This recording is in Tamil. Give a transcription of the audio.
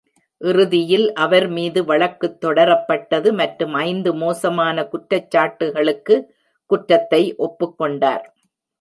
இறுதியில் அவர் மீது வழக்குத் தொடரப்பட்டது மற்றும் ஐந்து மோசமான குற்றச்சாட்டுகளுக்கு குற்றத்தை ஒப்புக்கொண்டார்.